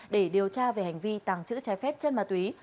để điều tra về hành vi tàng trữ trái phép chất ma túy